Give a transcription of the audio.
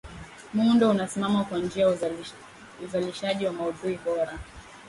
muundo unasimama kama njia ya uzalishaji wa maudhui bora